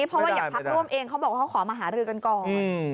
เพราะว่าอย่างพักร่วมเองเขาบอกว่าเขาขอมาหารือกันก่อน